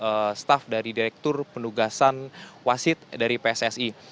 ini adalah staff dari direktur pendugasan wasit dari pssi